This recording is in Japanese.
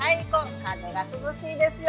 風が涼しいですよ。